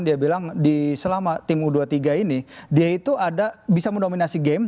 dia bilang selama tim u dua puluh tiga ini dia itu ada bisa mendominasi game